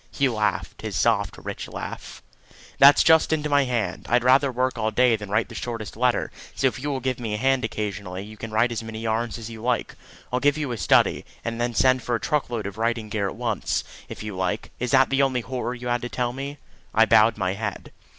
He laughed his soft, rich laugh. "That's just into my hand. I'd rather work all day than write the shortest letter; so if you will give me a hand occasionally, you can write as many yarns as you like. I'll give you a study, and send for a truck load of writing gear at once, if you like. Is that the only horror you had to tell me?" I bowed my head.